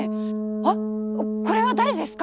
あっこれは誰ですか？